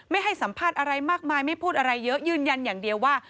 ไม่ให้สัมภาษณ์อะไรมากมายไม่พูดอะไรเยอะยืนยันอย่างเดียวว่า